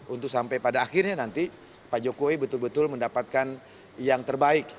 untuk sampai pada akhirnya nanti pak jokowi betul betul mendapatkan yang terbaik